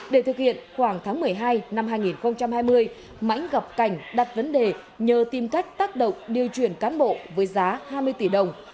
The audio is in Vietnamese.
để thực hiện khoảng tháng một mươi hai năm hai nghìn hai mươi mãnh gặp cảnh đặt vấn đề nhờ tìm cách tác động điều chuyển cán bộ với giá hai mươi tỷ đồng